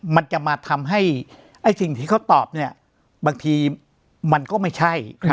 มันจะมาทำให้สิ่งที่เขาตอบเนี่ยบางทีมันก็ไม่ใช่